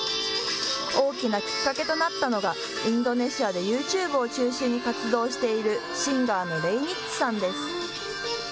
大きなきっかけとなったのが、インドネシアでユーチューブを中心に活動している、シンガーのレイニッチさんです。